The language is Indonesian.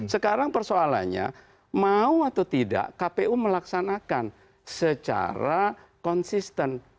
sekarang persoalannya mau atau tidak kpu melaksanakan secara konsisten